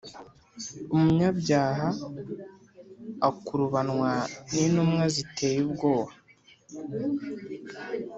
umunyabyaha akurubanwa n’intumwa ziteye ubwoba